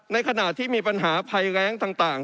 ในขณะที่มีปัญหาภัยแรงต่าง